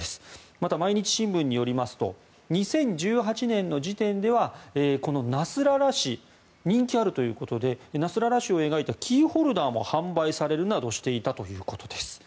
また毎日新聞によりますと２０１８年の時点ではこのナスララ師人気があるということでナスララ師を描いたキーホルダーも販売されるなどしていたということです。